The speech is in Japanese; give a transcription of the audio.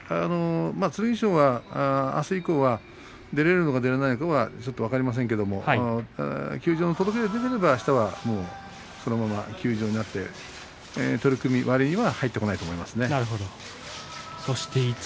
剣翔は、あす以降は出られるのか、出られないのか分かりませんが休場の届け出があればあしたはそのまま休場して取組、割には入ってこないと思います。